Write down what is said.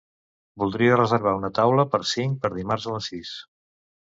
Voldria reservar una taula per cinc per dimarts a les sis.